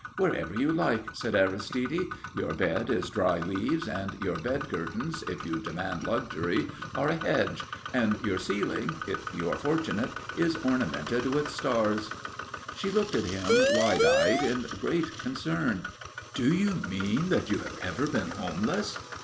"Wherever you like," said Aristide. "Your bed is dry leaves and your bed curtains, if you demand luxury, are a hedge, and your ceiling, if you are fortunate, is ornamented with stars." She looked at him wide eyed, in great concern. "Do you mean that you have ever been homeless?"